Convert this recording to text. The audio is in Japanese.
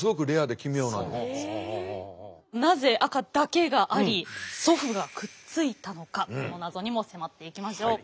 なぜ赤だけがあり祖父がくっついたのかその謎にも迫っていきましょう。